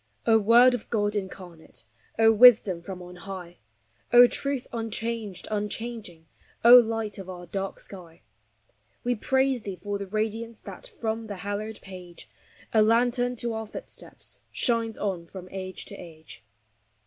O Word of God incarnate, O Wisdom from on high, O Truth unchanged, unchanging, O Light of our dark sky; We praise thee for the radiance That from the hallowed page, A lantern to our footsteps, Shines on from age to age.